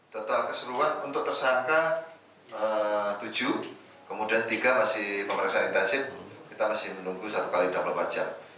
total keseruan untuk tersangka tujuh kemudian tiga masih pemeriksaan intensif kita masih menunggu satu kali dalam empat jam